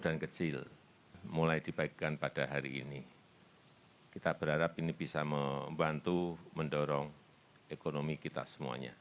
ban pres produktif ini adalah lima belas tiga triliun rupiah